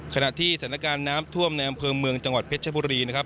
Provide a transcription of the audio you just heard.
ขณะที่สถานการณ์น้ำท่วมในอำเภอเมืองจังหวัดเพชรชบุรีนะครับ